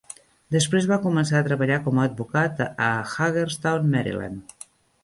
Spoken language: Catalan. Després va començar a treballar com a advocat a Hagerstown, Maryland.